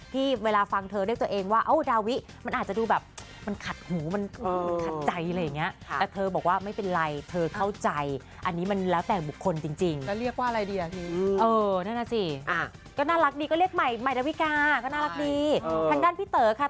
ที่เวลาฟังเธอเรียกตัวเองว่าเอ้า